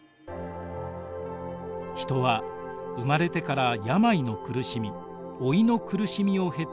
人は生まれてから病の苦しみ老いの苦しみを経て死に至ります。